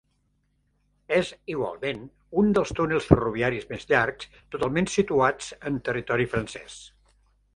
És, igualment, un dels túnels ferroviaris més llargs totalment situats en territori francès.